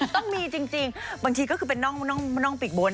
ต้องมีจริงบางทีก็คือเป็นน่องปีกบน